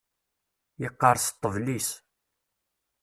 Yeqqerṣ ṭṭbel-is.